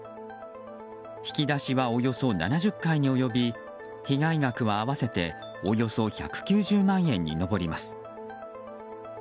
引き出しはおよそ７０回に及び被害額は合わせておよそ１９０万円に上ります。